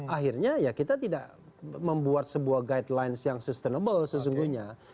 akhirnya ya kita tidak membuat sebuah guidelines yang sustainable sesungguhnya